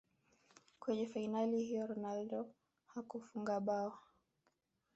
kwenye fainali hiyo ronaldo hakufunga bao